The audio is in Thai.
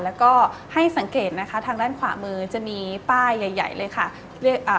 แล้วก็ให้สังเกตนะคะทางด้านขวามือจะมีป้ายใหญ่ใหญ่เลยค่ะอ่า